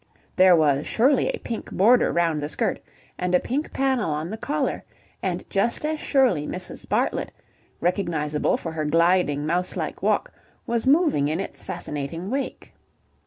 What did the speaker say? There was surely a pink border round the skirt and a pink panel on the collar, and just as surely Mrs. Bartlett, recognizable for her gliding mouse like walk, was moving in its fascinating wake.